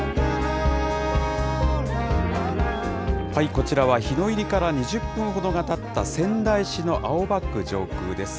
こちらは日の入りから２０分ほどがたった仙台市の青葉区上空です。